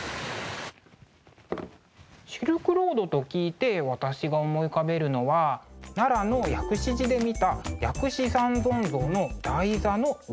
シルクロードと聞いて私が思い浮かべるのは奈良の薬師寺で見た薬師三尊像の台座の裏の模様ですかね。